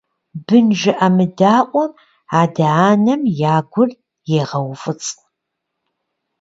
Бын жыӀэмыдаӀуэм адэ-анэм я гур егъэуфӀыцӀ.